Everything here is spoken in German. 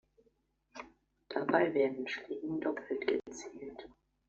Dabei werden Schlingen doppelt gezählt.